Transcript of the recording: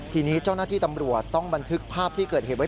ทีนี้เจ้าหน้าที่ตำรวจต้องบันทึกภาพที่เกิดเหตุไว้